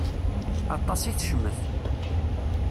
Aṭas i tecmet.